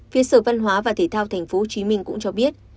phía sở văn hóa và thể thao tp hcm cũng cho biết